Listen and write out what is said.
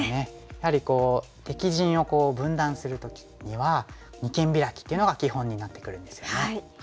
やはり敵陣を分断する時には二間ビラキっていうのが基本になってくるんですよね。